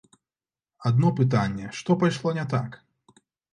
Адно пытанне, што пайшло не так???